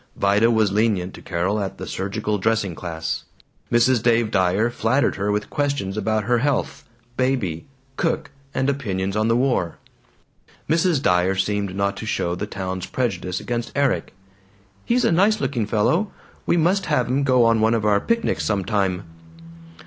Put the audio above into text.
Vida was lenient to Carol at the surgical dressing class; Mrs. Dave Dyer flattered her with questions about her health, baby, cook, and opinions on the war. Mrs. Dyer seemed not to share the town's prejudice against Erik. "He's a nice looking fellow; we must have him go on one of our picnics some time."